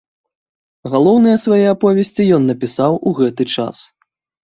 Галоўныя свае аповесці ён напісаў у гэты час.